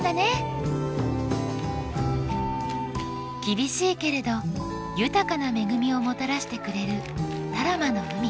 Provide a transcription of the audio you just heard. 厳しいけれど豊かな恵みをもたらしてくれる多良間の海。